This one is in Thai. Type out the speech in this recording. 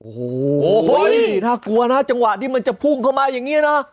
โอ้โหน่ากลัวนะจังหวะที่มันจะพุ่งเข้ามาอย่างนี้นะ